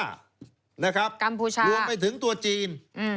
รวมไว้ถึงตัวจีน